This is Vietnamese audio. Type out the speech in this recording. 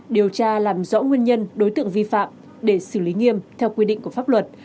điều tra làm rõ nguyên nhân đối tượng vi phạm để xử lý nghiêm theo quy định của pháp luật